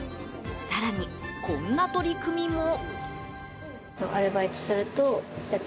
更に、こんな取り組みも。